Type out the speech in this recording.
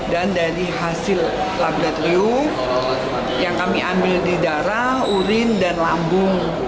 dan dari hasil lablet liu yang kami ambil di darah urin dan lambung